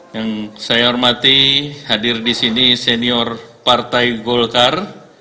yang saya hormati hadir di sini senior partai golkar